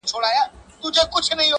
• تا چي هر څه زیږولي غلامان سي -